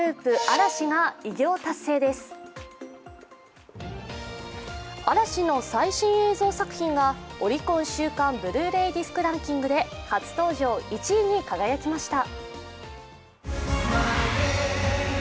嵐の最新映像作品がオリコン週間Ｂｌｕ−ｒａｙディスクランキングで初登場１位に輝きました。